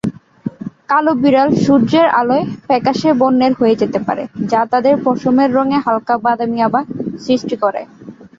কালো বিড়াল সূর্যের আলোয় "ফ্যাকাশে" বর্ণের হয়ে যেতে পারে, যা তাদের পশমের রঙে হালকা বাদামি আভা সৃষ্টি করে।